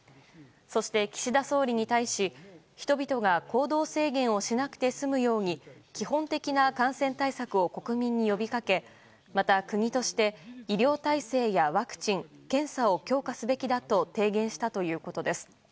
そして、岸田総理に対し人々が行動制限をしなくて済むように基本的な感染対策を国民に呼びかけまた国として医療体制やワクチン検査を強化すべきだと提言したということです。